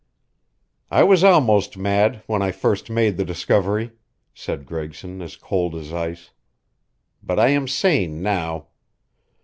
"I was almost mad, when I first made the discovery," said Gregson, as cold as ice. "But I am sane now.